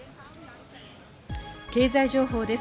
経済情報です。